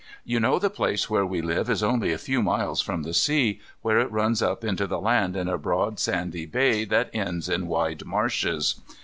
You know the place where we live is only a few miles from the sea, where it runs up into the land in a broad, sandy bay that ends in wide marshes.